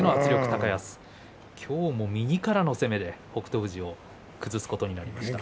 今日も右からの攻めで北勝富士を崩すことになりました。